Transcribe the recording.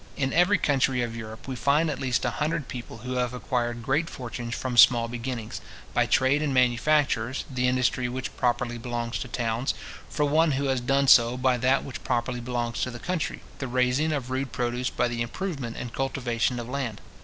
In every country of Europe, we find at least a hundred people who have acquired great fortunes, from small beginnings, by trade and manufactures, the industry which properly belongs to towns, for one who has done so by that which properly belongs to the country, the raising of rude produce by the improvement and cultivation of land.